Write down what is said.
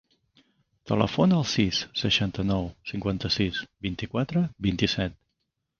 Telefona al sis, seixanta-nou, cinquanta-sis, vint-i-quatre, vint-i-set.